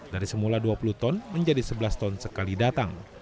dari semula dua puluh ton menjadi sebelas ton sekali datang